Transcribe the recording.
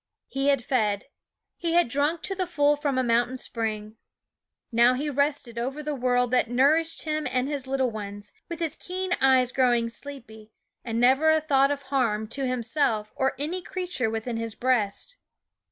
He had fed ; he had drunk to the full from a mountain spring. Now he rested over the 9 SCHOOL OF world that nourished him and his little ones, 3 14 with his keen eyes growing sleepy, and never a thought of harm to himself or any crea ture within his breast.